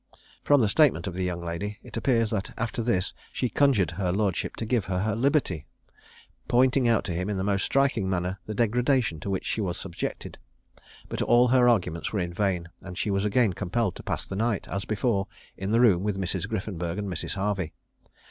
From the statement of the young lady, it appears that after this she conjured his lordship to give her her liberty, pointing out to him, in the most striking manner, the degradation to which she was subjected; but all her arguments were in vain, and she was again compelled to pass the night, as before, in the room with Mrs. Griffenburg and Mrs. Harvey.